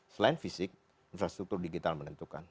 selain fisik infrastruktur digital menentukan